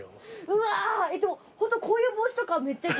うわでもホントこういう帽子とかめっちゃ。